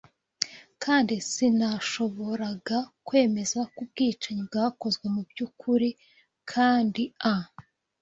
kandi sinashoboraga kwemeza ko ubwicanyi bwakozwe mubyukuri kandi a